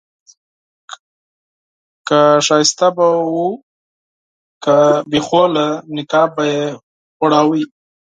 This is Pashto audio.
که ښایسته به و او که بدرنګه نقاب به یې غوړاوه.